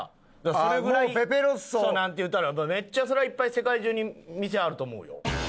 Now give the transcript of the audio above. それぐらいペペロッソなんていうたらめっちゃそれはいっぱい世界中に店あると思うよ。